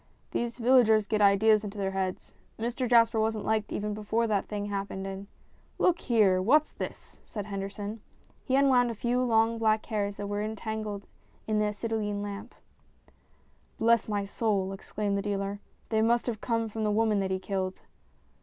These villagers get ideas into their heads. Mr Jasper wasn't liked even before that thing happened, and " "Look here! What's this?" said Henderson. He unwound a few long black hairs that were entangled in the acetylene lamp. " Bless my soul !" exclaimed the dealer. " They must have come from the woman that he killed."